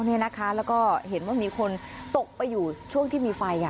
แล้วก็เห็นว่ามีคนตกไปอยู่ช่วงที่มีไฟ